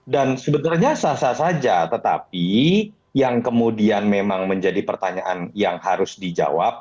dan sebenarnya sah sah saja tetapi yang kemudian memang menjadi pertanyaan yang harus dijawab